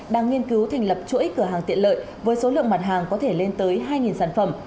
đang nghiên cứu thành lập chuỗi cửa hàng tiện lợi với số lượng mặt hàng có thể lên tới hai sản phẩm